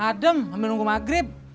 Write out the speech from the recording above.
adem ambil nunggu maghrib